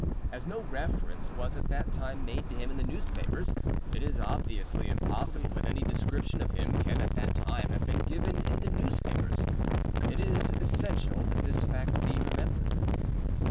As no reference was at that time made to him in the newspapers, it is obviously impossible that any description of him can at that time have been given in the newspapers. It is essential that this fact be remembered.